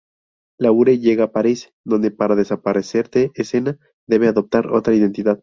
Laure llega a París, donde para desaparecer de escena debe adoptar otra identidad.